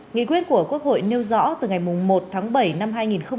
nghị quyết của quốc hội nêu rõ từ ngày một tháng bảy năm hai nghìn hai mươi